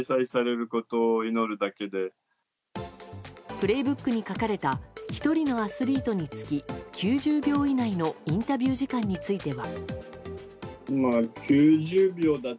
「プレイブック」に書かれた１人のアスリートにつき９０秒以内のインタビュー時間については。